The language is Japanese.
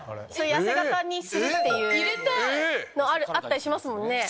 痩せ形にするっていうのあったりしますもんね。